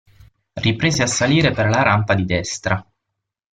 Riprese a salire per la rampa di destra.